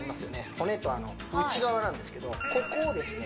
骨と内側なんですけどここをですね